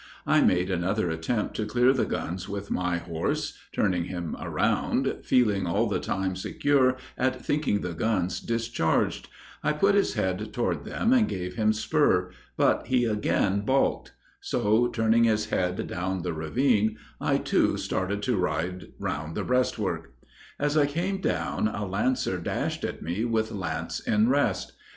I made another attempt to clear the guns with my horse, turning him around feeling all the time secure at thinking the guns discharged I put his head toward them and gave him spur, but he again balked; so turning his head down the ravine, I too started to ride round the breastwork. "As I came down, a lancer dashed at me with lance in rest.